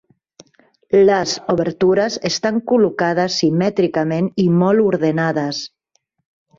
Les obertures estan col·locades simètricament i molt ordenades.